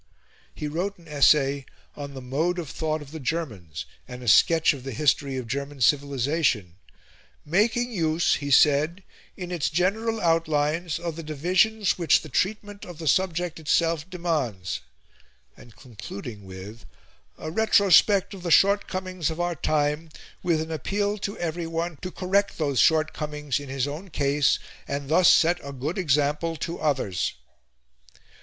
He wrote an essay on the "Mode of Thought of the Germans, and a Sketch of the History of German Civilisation," "making use," he said, "in its general outlines, of the divisions which the treatment of the subject itself demands," and concluding with "a retrospect of the shortcomings of our time, with an appeal to every one to correct those shortcomings in his own case, and thus set a good example to others."